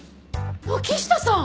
軒下さん！